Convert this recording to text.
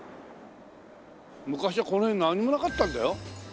昔はこの辺なんにもなかったんだよ。